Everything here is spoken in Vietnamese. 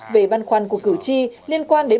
về băn khoăn của cử tri liên quan đến